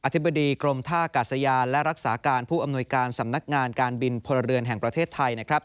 ธิบดีกรมท่ากาศยานและรักษาการผู้อำนวยการสำนักงานการบินพลเรือนแห่งประเทศไทยนะครับ